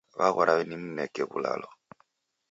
Waghora nimneke w'ulalo